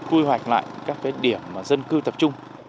quy hoạch lại các điểm dân cư tập trung